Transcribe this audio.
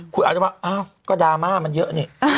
คุณอนุทินก็ว่าก็ดราม่ามันเยอะนี่